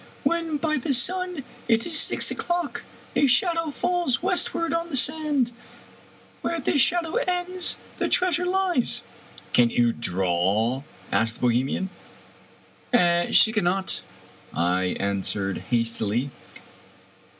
When by the sun it iis six o'clock, a shadow falls west ward on the sand. Where this shadow ends, the treasure lies." " Can you draw ?" asked the Bohemian. "She cannot," I answered hastily.